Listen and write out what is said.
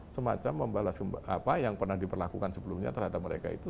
semacam membalas apa yang pernah diperlakukan sebelumnya terhadap mereka itu